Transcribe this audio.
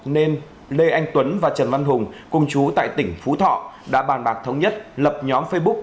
nên lê anh tuấn và trần văn hùng cùng chú tại tỉnh phú thọ đã bàn bạc thống nhất lập nhóm facebook